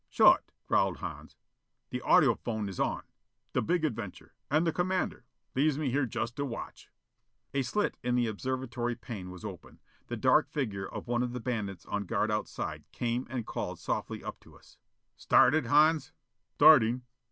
"Shut!" growled Hans. "The audiphone is on. The big adventure and the commander leaves me here just to watch!" A slit in the observatory pane was open. The dark figure of one of the bandits on guard outside came and called softly up to us. "Started. Hans?" "Starting."